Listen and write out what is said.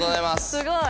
すごい！